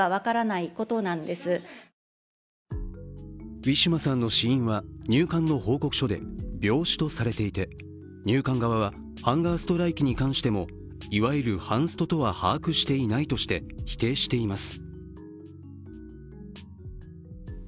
ウィシュマさんの死因は入管の報告書で病死とされていて入管側はハンガーストライキに関してもいわゆるハンストとは把握していないとして否定しています。